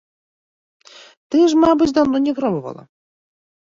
Ты ж, мабыць, даўно не пробавала.